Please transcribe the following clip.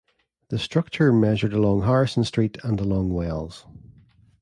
The structure measured along Harrison Street and along Wells.